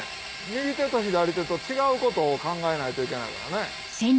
右手と左手と違うことを考えないといけないからね。